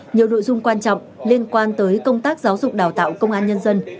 nhiều nội dung quan trọng liên quan tới công tác giáo dục đào tạo công an nhân dân